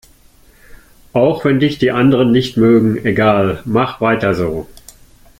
Auch wenn dich die anderen nicht mögen, egal, mach weiter so!